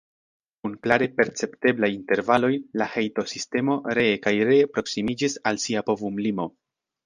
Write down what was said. Kun klare percepteblaj intervaloj, la hejtosistemo ree kaj ree proksimiĝis al sia povum-limo.